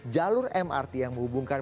jalur mrt yang menghubungkan